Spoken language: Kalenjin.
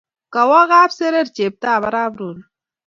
Kawo Kapserer cheptap arap Rono